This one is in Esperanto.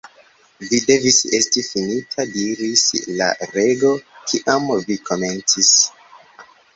"Vi devis esti fininta," diris la Rego, "Kiam vi komencis?"